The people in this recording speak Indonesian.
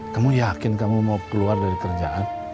kamu yakin kamu mau keluar dari kerjaan